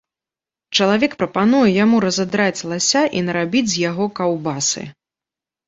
Чалавек прапануе яму разадраць лася і нарабіць з яго каўбасы.